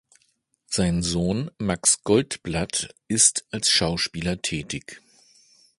Sein Sohn Max Goldblatt ist als Schauspieler tätig.